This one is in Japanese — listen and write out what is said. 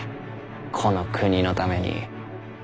この国のために。